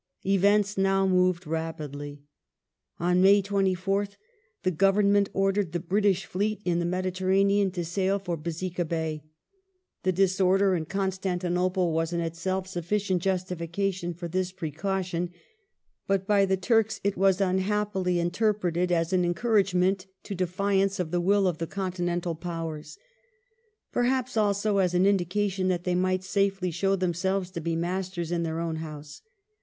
Events now moved rapidly. On May 24th the Government The Bul ordered the British Fleet in the Mediterranean to sail for Besika f f "?JJ. „ atrocities Bay. The disorder in Constantinople was in itself sufficient j ustifi cation for this precaution, but by the Turks it was unhappily interpreted as an encouragement to defiance of the will of the con tinental Powers. Perhaps also as an indication that they might safely show themselves to be masters in their own house.